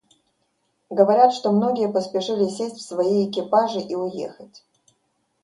Говорят, что многие поспешили сесть в свои экипажи и уехать.